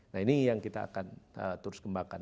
nah ini yang kita akan terus kembangkan